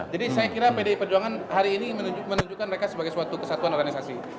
jadi saya kira pdi perjuangan hari ini menunjukkan mereka sebagai suatu kesatuan organisasi